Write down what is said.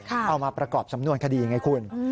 เอามาประกอบสำนวนคดีไงคุณ